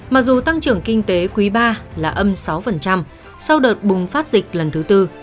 mặc dù tăng trưởng kinh tế quý iii là âm sáu sau đợt bùng phát dịch lần thứ tư